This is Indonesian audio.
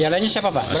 ya lainnya siapa pak